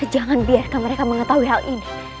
jangan biarkan mereka mengetahui hal ini